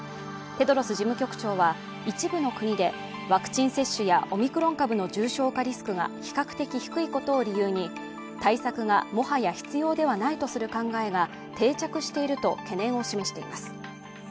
テドロス事務局長は、一部の国でワクチン接種やオミクロン株の重症化リスクが比較的低いことを理由に対策がもはや必要ではないとする考えが定着していると懸念を示しています。